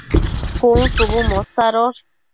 cun shubu mosadosh